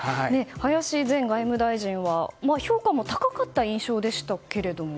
林前外務大臣は評価も高かった印象でしたけれども。